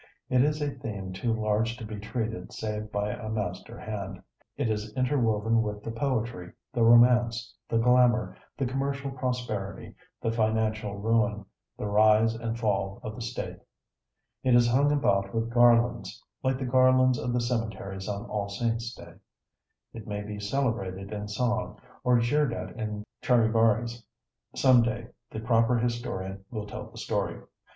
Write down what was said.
It is a theme too large to be treated save by a master hand. It is interwoven with the poetry, the romance, the glamour, the commercial prosperity, the financial ruin, the rise and fall of the State. It is hung about with garlands, like the garlands of the cemeteries on All Saints Day; it may be celebrated in song, or jeered at in charivaris. Some day, the proper historian will tell the story.